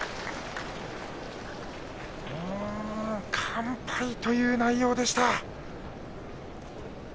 完敗という内容でした。